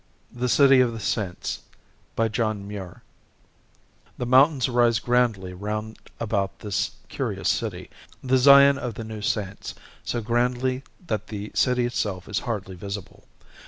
The City of the Saints The mountains rise grandly round about this curious city, the Zion of the new Saints, so grandly that the city itself is hardly visible.